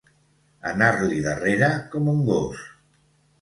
Anar-li darrere com un gos.